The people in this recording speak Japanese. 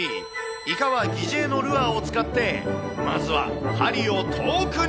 イカは疑似餌のルアーを使って、まずは針を遠くに。